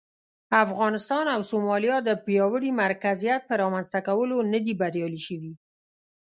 افغانستان او سومالیا د پیاوړي مرکزیت پر رامنځته کولو نه دي بریالي شوي.